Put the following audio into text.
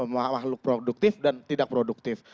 makhluk produktif dan tidak produktif